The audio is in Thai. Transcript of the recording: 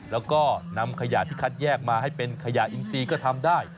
แล้วก็นำขยะที่คัดแยกมาให้เป็นขยะอินซีก็ทำได้